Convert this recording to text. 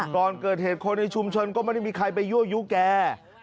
ก่อนเกิดเหตุคนในชุมชนก็ไม่ได้มีใครไปยั่วยุแก